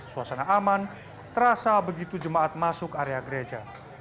suasana aman terasa begitu jemaat masuk area gereja